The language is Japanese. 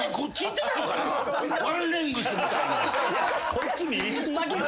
こっちに。